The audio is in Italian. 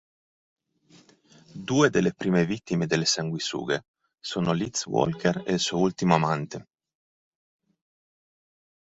Due delle prime vittime delle sanguisughe sono Liz Walker e il suo ultimo amante.